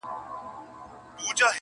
ما له ازله بې خبره کوچي!!